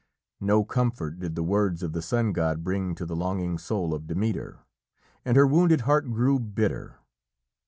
No comfort did the words of the Sun God bring to the longing soul of Demeter. And her wounded heart grew bitter.